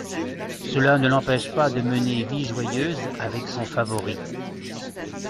Cela ne l’empêche pas de mener vie joyeuse avec son favori.